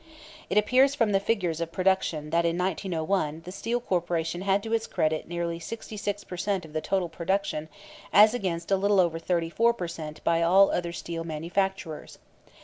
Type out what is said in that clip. It appears from the figures of production that in 1901 the Steel Corporation had to its credit nearly 66 per cent of the total production as against a little over 34 per cent by all other steel manufacturers.